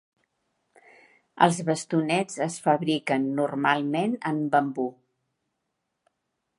Els bastonets es fabriquen normalment en bambú.